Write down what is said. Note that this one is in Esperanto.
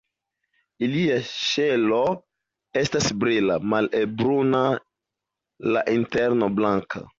Ilia ŝelo estas brila, malhelbruna, la interno blanka.